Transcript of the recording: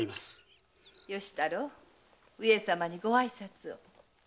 吉太郎上様にご挨拶を。